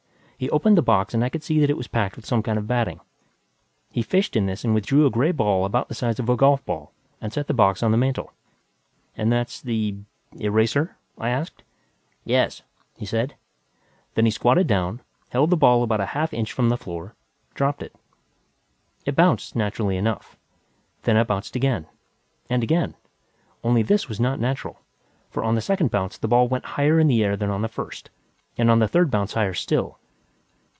He opened the box and I could see that it was packed with some kind of batting. He fished in this and withdrew a gray ball about the size of a golfball and set the box on the mantel. "And that's the eraser?" I asked. "Yes," he said. Then he squatted down, held the ball about a half inch from the floor, dropped it. It bounced, naturally enough. Then it bounced again. And again. Only this was not natural, for on the second bounce the ball went higher in the air than on the first, and on the third bounce higher still.